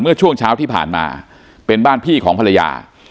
เมื่อช่วงเช้าที่ผ่านมาเป็นบ้านพี่ของภรรยา